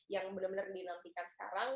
yang benar benar dinantikan sekarang